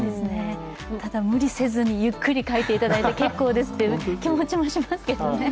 ただ無理せずにゆっくり書いていただいて結構ですという気持ちもしますけれども。